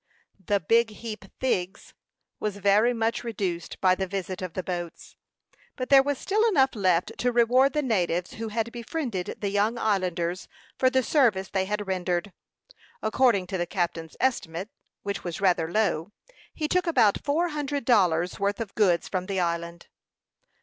The "big heap thigs" was very much reduced by the visit of the boats; but there was still enough left to reward the natives who had befriended the young islanders for the service they had rendered. According to the captain's estimate, which was rather low, he took about four hundred dollars' worth of goods from the island.